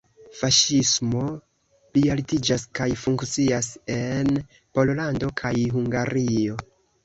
Faŝismo plialtiĝas kaj funkcias en Pollando kaj Hungario.